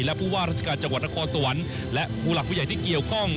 และผู้ว่าราชการจังหวัดนครสวรรค์และผู้หลักผู้ใหญ่ที่เกี่ยวข้อง